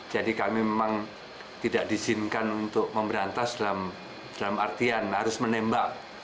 jadi kami memang tidak diizinkan untuk memberantas dalam artian harus menembak